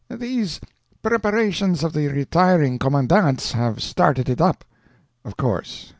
"These preparations of the retiring commandant's have started it up." "Of course.